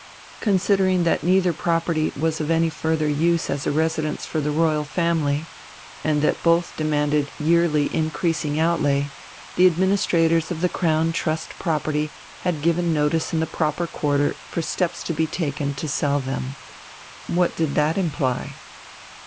Considering that neither property was of any further use as a residence for the royal family, and that both demanded yearly increasing outlay, the administrators of the Crown trust property had given notice in the proper quarter for steps to be taken to sell them: what did that imply?